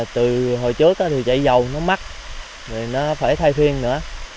từ hồi trước thì chạy dầu nó mắc rồi nó phải thay phiên nữa